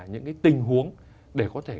những cái tình huống để có thể